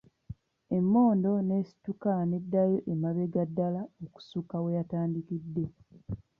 Emmondo n'esituka n'eddayo emabega ddala okusuuka weyatandikidde.